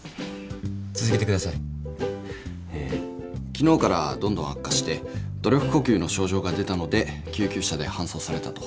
昨日からどんどん悪化して努力呼吸の症状が出たので救急車で搬送されたと。